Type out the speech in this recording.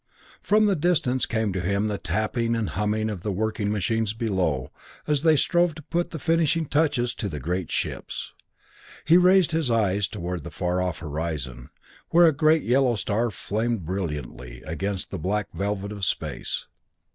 From the distance came to him the tapping and humming of the working machines below as they strove to put the finishing touches to the great ships. He raised his eyes toward the far off horizon, where a great yellow star flamed brilliantly against the black velvet of space.